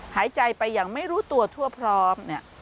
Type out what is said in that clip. หายใจไปอย่างไม่รู้ตัวทั่วพร้อมเนี่ย